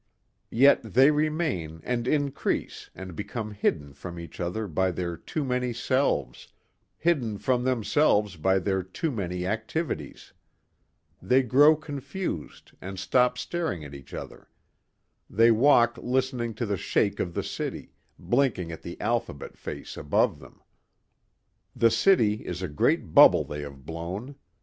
Yet they remain and increase and become hidden from each other by their too many selves, hidden from themselves by their too many activities. They grow confused and stop staring at each other. They walk listening to the shake of the city, blinking at the alphabet face above them. The city is a great bubble they have blown.